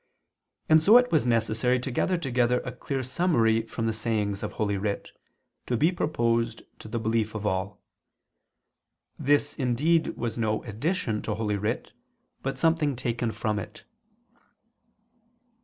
And so it was necessary to gather together a clear summary from the sayings of Holy Writ, to be proposed to the belief of all. This indeed was no addition to Holy Writ, but something taken from it.